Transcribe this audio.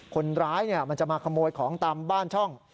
คนร้ายมันจะมาขโมยของตามบ้านช่อง